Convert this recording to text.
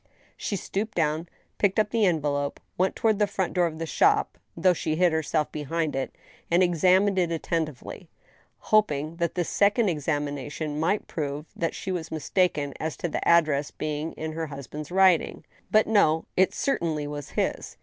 She stooped down, picked up the envelope, w^t. toward the. front door of the shop (though she hid herself behind it), and ^xam^ . ined it attentively, hoping.that this second exaimination might prove that she was mistaki^ji as to the address being in her husband's': writing. But no. It certainly was his.